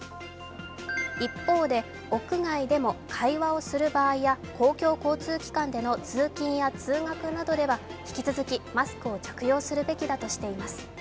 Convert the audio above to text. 一方で、屋外でも会話をする場合や公共交通機関での通勤や通学などでは引き続きマスクを着用するべきだとしています。